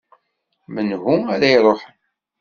Menhu ara iruḥen?